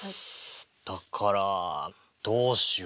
だからどうしようかな。